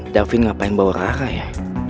davin ngapain bawa rara ya